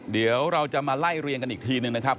เดี๋ยวเราจะมาไล่เรียงกันอีกทีหนึ่งนะครับ